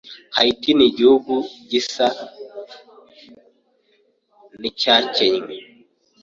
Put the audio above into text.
Haiti nigihugu gisa nkicyakennye.